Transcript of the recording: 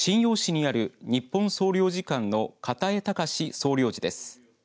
瀋陽市にある日本総領事館の片江学巳総領事です。